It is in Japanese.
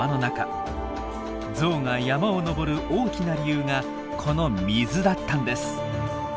ゾウが山を登る大きな理由がこの水だったんです。